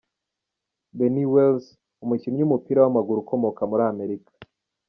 Beanie Wells, umukinnyi w’umupira w’amaguru ukomoka muri Amerika.